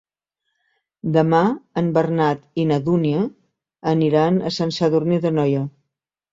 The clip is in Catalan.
Demà en Bernat i na Dúnia aniran a Sant Sadurní d'Anoia.